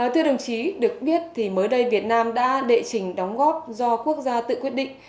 thưa đồng chí được biết thì mới đây việt nam đã đệ trình đóng góp do quốc gia tự quyết định